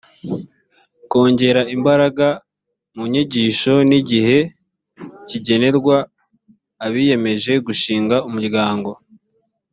kongera imbaraga mu nyigisho n igihe kigenerwa abiyemeje gushinga umuryango